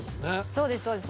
そうですそうです。